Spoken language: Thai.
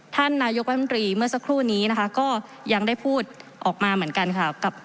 ท่านนายกรัฐมนตรีเมื่อสักครู่นี้นะคะก็ยังได้พูดออกมาเหมือนกันค่ะ